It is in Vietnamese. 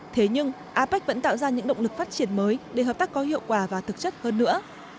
thế nhưng apec vẫn tạo ra những động lực phát triển mới để hợp tác có hiệu quả và thực chất hơn nữa